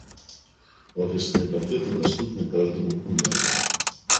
Офисные пакеты доступны каждому онлайн.